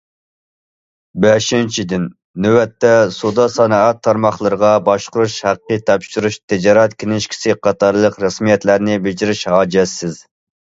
بەشىنچىدىن، نۆۋەتتە، سودا سانائەت تارماقلىرىغا باشقۇرۇش ھەققى تاپشۇرۇش، تىجارەت كىنىشكىسى قاتارلىق رەسمىيەتلەرنى بېجىرىش ھاجەتسىز.